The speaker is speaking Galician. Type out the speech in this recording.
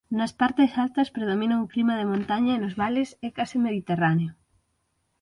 Nas partes altas predomina un clima de montaña e nos vales é case mediterráneo.